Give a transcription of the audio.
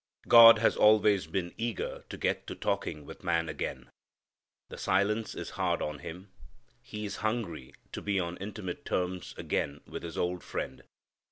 God has always been eager to get to talking with man again. The silence is hard on Him. He is hungry to be on intimate terms again with his old friend.